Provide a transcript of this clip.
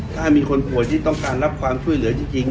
ถ้ามีคนป่วยที่ต้องการรับความช่วยเหลือจริง